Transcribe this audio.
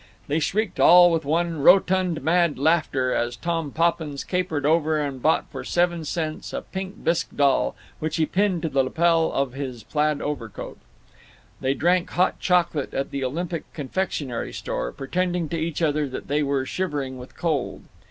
They shrieked all with one rotund mad laughter as Tom Poppins capered over and bought for seven cents a pink bisque doll, which he pinned to the lapel of his plaid overcoat. They drank hot chocolate at the Olympic Confectionery Store, pretending to each other that they were shivering with cold.